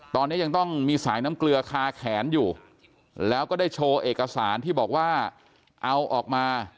ตอนนี้ยังต้องมีสายน้ำเกลือคาแขนอยู่แล้วก็ได้โชว์เอกสารที่บอกว่าเอาออกมา